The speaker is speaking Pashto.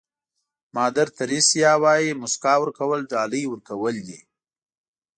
مادر تریسیا وایي موسکا ورکول ډالۍ ورکول دي.